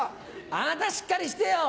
あなたしっかりしてよ。